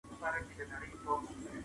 زه هره ورځ د کور کالي مينځم.